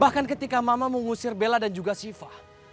bahkan ketika mama mau ngusir bella dan juga siva